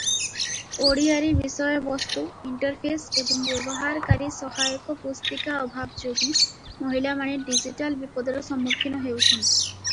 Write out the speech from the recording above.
ଓଡ଼ିଆରେ ବିଷୟବସ୍ତୁ, ଇଣ୍ଟରଫେସ ଏବଂ ବ୍ୟବହାରକାରୀ ସହାୟକ ପୁସ୍ତିକା ଅଭାବ ଯୋଗୁଁ ମହିଳାମାନେ ଡିଜିଟାଲ ବିପଦର ସମ୍ମୁଖୀନ ହେଉଛନ୍ତି ।